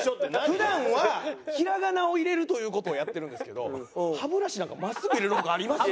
普段はひらがなを入れるという事をやってるんですけど歯ブラシなんか真っすぐ入れる事あります？